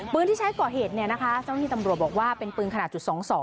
ปืนที่ใช้ก่อเหตุตอนนี้ตำรวจบอกว่าเป็นปืนขนาดจุด๒๒